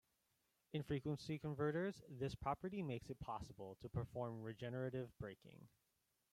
In frequency converters this property makes it possible to perform regenerative braking.